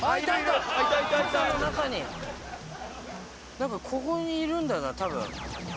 なんかここにいるんだな多分。